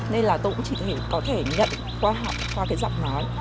nên là tôi cũng chỉ có thể nhận qua họ qua cái giọng nói